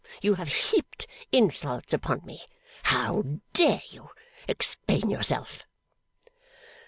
You have heaped insults upon me. How dare you? Explain yourself.